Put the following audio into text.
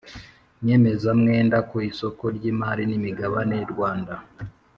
nyemezamwenda ku isoko ry imari n imigabane rwanda